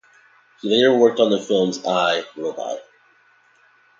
He later worked on the films I, Robot!